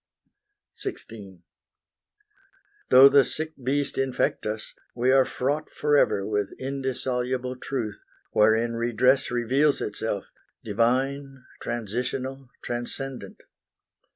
XVI Though the sick beast infect us, we are fraught Forever with indissoluble Truth, Wherein redress reveals itself divine, Transitional, transcendent.